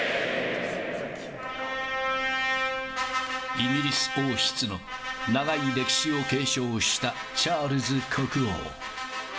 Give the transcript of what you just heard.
イギリス王室の長い歴史を継承したチャールズ国王。